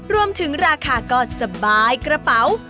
รวมถึงราคาก็สบายกระเป๋า